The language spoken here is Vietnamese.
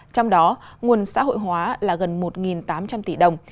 trong đó nguồn xã hội hóa là gần một tám trăm linh tỷ đồng